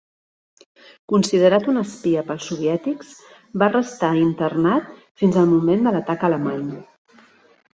Considerat un espia pels soviètics, va restar internat fins al moment de l'atac alemany.